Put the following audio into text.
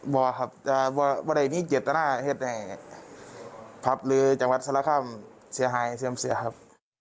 ว่าครับว่าวันใดนี้เกลียดตระหน้าเหตุแห่งภัพธ์หรือจังหวัดสละคร่ำเสียหายเสริมเสียครับ